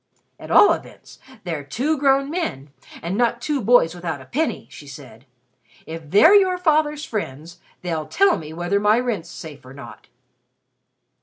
"At all events, they're two grown men, and not two boys without a penny," she said. "If they're your father's friends, they'll tell me whether my rent's safe or not."